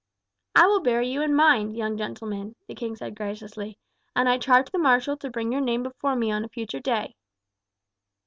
"I will bear you in mind, young gentleman," the king said graciously, "and I charge the marshal to bring your name before me on a future day."